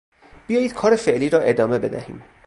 بیایید کار فعلی را ادامه بدهیم.